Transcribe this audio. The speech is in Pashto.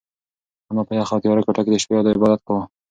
انا په یخه او تیاره کوټه کې د شپې عبادت کاوه.